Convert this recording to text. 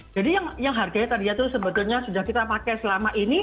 jadi yang harganya tadi itu sebetulnya sudah kita pakai selama ini